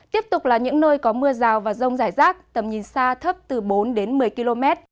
tiếp tục là những nơi có mưa rào và rông rải rác tầm nhìn xa thấp từ bốn đến một mươi km